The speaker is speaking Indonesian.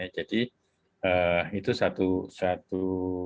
jadi itu satu